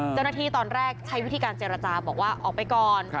เจ้าหน้าที่ตอนแรกใช้วิธีการเจรจาบอกว่าออกไปก่อน